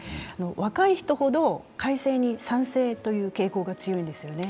若い人ほど改正に賛成の傾向が強いんですよね。